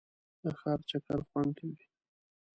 د ښار چکر خوند کوي.